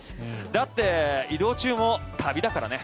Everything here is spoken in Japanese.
だって移動中も旅だからね。